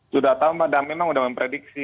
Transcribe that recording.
sudah tahu mbak dan memang sudah memprediksi